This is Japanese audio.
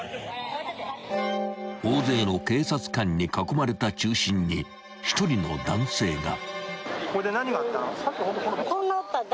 ［大勢の警察官に囲まれた中心に１人の男性が］